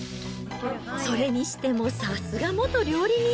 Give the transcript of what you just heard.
それにしてもさすが元料理人。